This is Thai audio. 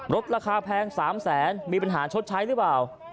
รถราคาแพง๓๐๐๐๐๐บาทมีปัญหาชดใช้หรือเปล่า